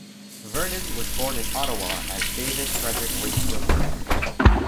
Vernon was born in Ottawa as David Frederick Wingfield Verner.